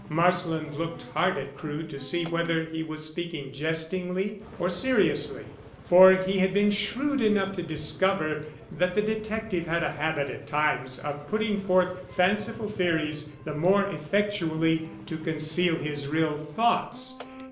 Marsland looked hard at Crewe to see whether he was speaking jestingly or seriously, for he had been shrewd enough to discover that the detective had a habit at times of putting forth fanciful theories the more effectually to conceal his real thoughts.